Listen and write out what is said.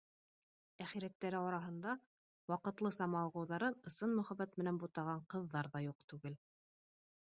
Әхирәттәре араһында ваҡытлыса мауығыуҙарын ысын мөхәббәт менән бутаған ҡыҙҙар ҙа юҡ түгел